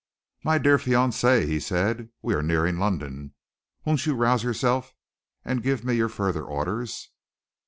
"My dear fiancée," he said, "we are nearing London. Won't you rouse yourself and give me your further orders?"